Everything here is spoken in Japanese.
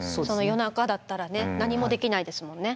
夜中だったら何もできないですもんね。